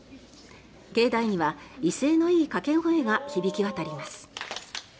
境内には威勢のいい掛け声が響き渡ります。